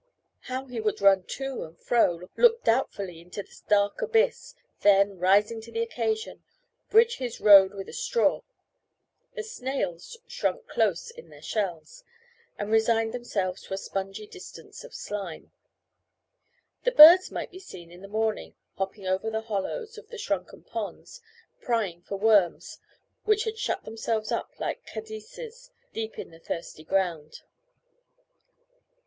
How he would run to and fro, look doubtfully into the dark abyss, then, rising to the occasion, bridge his road with a straw. The snails shrunk close in their shells, and resigned themselves to a spongy distance of slime. The birds might be seen in the morning, hopping over the hollows of the shrunken ponds, prying for worms, which had shut themselves up like caddises deep in the thirsty ground.